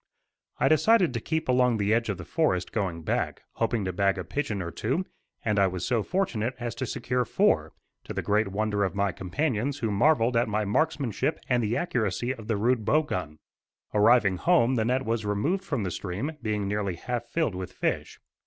I decided to keep along the edge of the forest going back, hoping to bag a pigeon or two; and I was so fortunate as to secure four, to the great wonder of my companions who marvelled at my markmanship and the accuracy of the rude bow gun. Arriving home the net was removed from the stream, being nearly half filled with fish.